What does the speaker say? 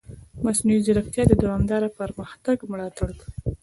مصنوعي ځیرکتیا د دوامدار پرمختګ ملاتړ کوي.